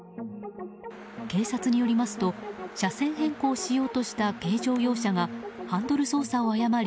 警察によりますと車線変更しようとした軽乗用車がハンドル操作を誤り